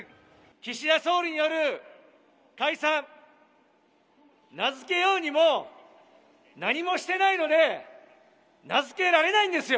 岸田総理による解散、名付けようにも何もしてないので、名付けられないんですよ。